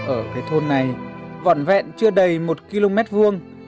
ở cái thôn này vỏn vẹn chưa đầy một km vuông